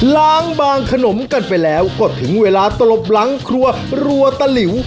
ล้างบางขนมกันไปแล้วก็ถึงเวลาตลบหลังครัวรัวตะหลิว